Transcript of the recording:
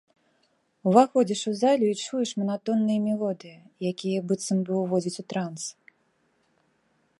Уваходзіш у залю і чуеш манатонныя мелодыі, якія, быццам бы, уводзяць у транс.